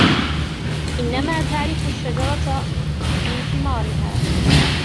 إنما تعرف الشجرة من ثمارها.